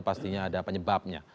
pastinya ada penyebabnya